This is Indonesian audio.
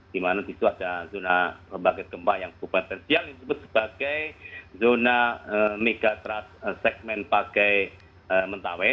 di mana disitu ada zona bagian gempa yang berpotensial disebut sebagai zona megatrust segmen pakai mentawai